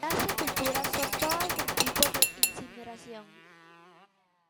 Las sepulturas son todas del tipo de incineración.